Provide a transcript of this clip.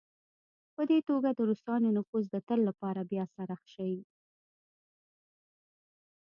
په دې توګه د روسانو نفوذ د تل لپاره بې اثره شي.